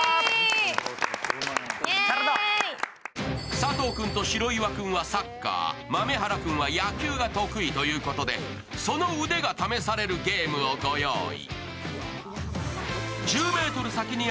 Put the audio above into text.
佐藤君と白岩君はサッカー豆原君は野球が得意ということでその腕が試されるゲームをご用意。